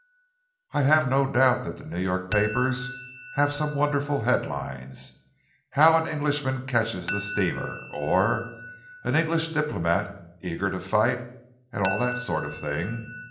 "I have no doubt that the New York papers have some wonderful headlines 'How an Englishman catches the steamer!' or 'An English diplomatist, eager to fight' and all that sort of thing.